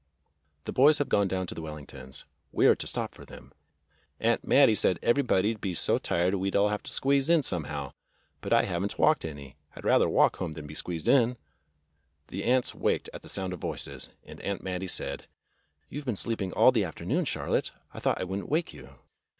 "The boys have gone down to the Wellingtons. We're to stop for them. Aunt Mattie said every body 'd be so tired we'd all have to squeeze in some how. But I have n't walked any. I 'd rather walk home than be squeezed in." The aunts waked at the sound of voices, and Aunt Mattie said: "You've been sleeping all the afternoon, Charlotte. I thought I would n't wake you."